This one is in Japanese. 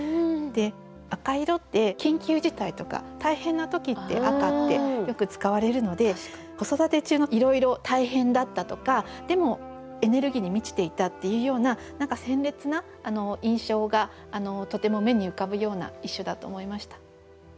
赤い色って緊急事態とか大変な時って赤ってよく使われるので子育て中のいろいろ大変だったとかでもエネルギーに満ちていたっていうような何か鮮烈な印象がとても目に浮かぶような一首だと思いました。